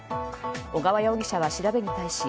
小川容疑者は調べに対し